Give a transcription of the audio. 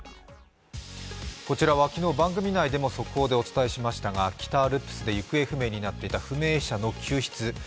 こちらは昨日、番組内でも速報でお伝えしましたが、北アルプスで行方不明になっていた不明者の救出。